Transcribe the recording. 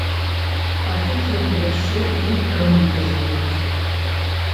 А тут яго яшчэ і рамантызуюць.